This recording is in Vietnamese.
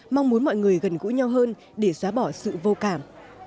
mong muốn mọi người gần gũi nhau hơn để xóa bỏ sự vô cảm